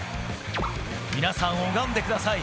皆さん拝んでください。